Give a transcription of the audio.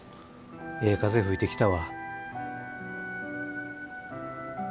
ええ風吹いてきたわ。